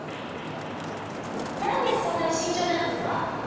なんでそんなにしんちょうなんですか？